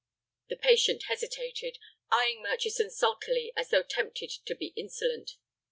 The patient hesitated, eying Murchison sulkily as though tempted to be insolent.